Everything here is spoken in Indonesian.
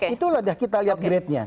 itulah kita lihat greatnya